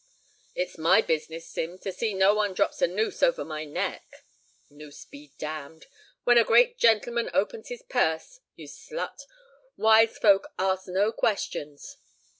"It's my business, Sim, to see no one drops a noose over my neck." "Noose be damned! When a great gentleman opens his purse, you slut, wise folk ask no questions."